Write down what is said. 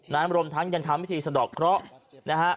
นำรมทั้งยันทำวิธีสะดอกเคราะห์